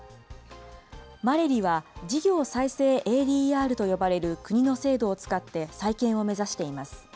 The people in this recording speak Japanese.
マレリは、事業再生ＡＤＲと呼ばれる国の制度を使って再建を目指しています。